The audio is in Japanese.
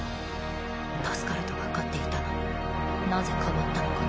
助かると分かっていたのになぜかばったのか。